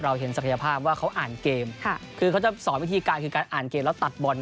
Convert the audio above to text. เห็นศักยภาพว่าเขาอ่านเกมค่ะคือเขาจะสอนวิธีการคือการอ่านเกมแล้วตัดบอล